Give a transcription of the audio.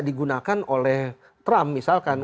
digunakan oleh trump misalkan